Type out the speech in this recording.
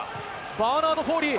バーナード・フォーリー。